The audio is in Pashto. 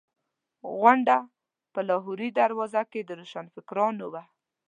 غونډه په لاهوري دروازه کې د روشنفکرانو وه.